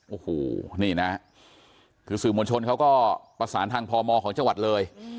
โอ้โหนี่นะคือสื่อมวลชนเขาก็ประสานทางพมของจังหวัดเลย